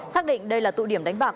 xác định đây là tụ điểm đánh bạc